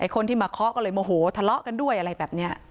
คนที่มาเคาะก็เลยโมโหทะเลาะกันด้วยอะไรแบบนี้